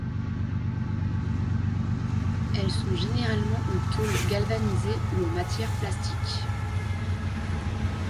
Elles sont généralement en tôle galvanisée ou en matière plastique.